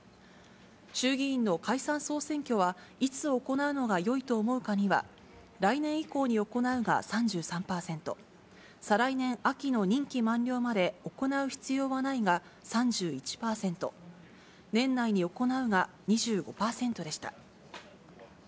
衆議院の解散・総選挙はいつ行うのがよいと思うかには、来年以降に行うが３３％、再来年秋の任期満了まで行う必要はないが３１％、年内に行うが２５％でした。